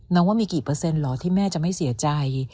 ว่ามีกี่เปอร์เซ็นเหรอที่แม่จะไม่เสียใจ